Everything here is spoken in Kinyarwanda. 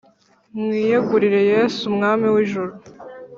mwiyegurire yesu, umwami w'ijuru.